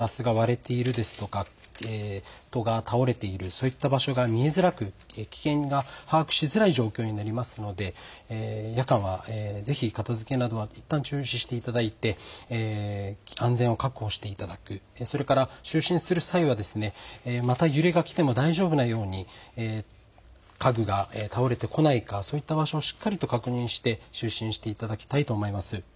また夜間になってきますと先ほどの映像にもありましたとおりガラスが割れているですとか戸が倒れているそういった場所が見えづらく、危険が把握しづらい状況になりますので夜間はぜひ片づけなどはいったん中止していただいて安全を確保していただく、それから就寝する際はまた揺れが来ても大丈夫なように家具が倒れてこないかそういった場所をしっかりと確認して就寝していただきたいと思います。